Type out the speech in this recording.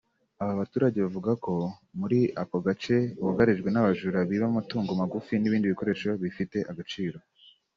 Aba baturage bavuga ko muri ako gace bugarijwe n’abajura biba amatungo magufi n’ibindi bikoresho bifite agaciro